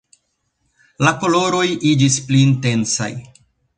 La koloroj iĝis pli intensaj.